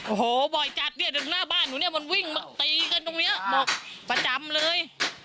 โอ้โหบ่อยจัดเนี่ยหน้าบ้านนี้มันวิ่งตีกันตรงนี้ประจำเลย